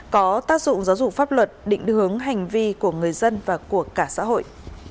có tác dụng giáo dục pháp luật định hướng hành vi của người dân và của cả xã hội